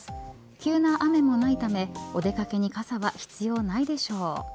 急な雨もないためお出掛けに傘は必要ないでしょう。